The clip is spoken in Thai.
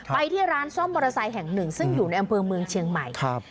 ไปที่ร้านซ่อมมอเตอร์ไซค์แห่งหนึ่งซึ่งอยู่ในอำเภอเมืองเชียงใหม่ครับ